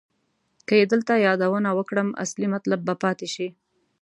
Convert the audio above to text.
که یې دلته یادونه وکړم اصلي مطلب به پاتې شي.